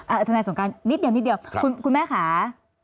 อ่ะทนายสงการนิดเดียวคุณแม่ค่ะ